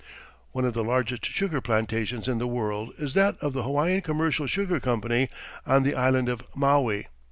One of the largest sugar plantations in the world is that of the Hawaiian Commercial Sugar Company on the island of Maui.